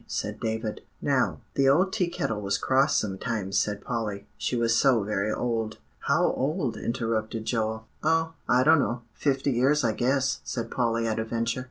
said David. "Now, the old Tea Kettle was cross sometimes," said Polly; "she was so very old." "How old?" interrupted Joel. "Oh! I don't know. Fifty years, I guess," said Polly at a venture.